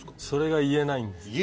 それが言えないです。